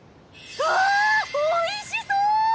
わあおいしそう！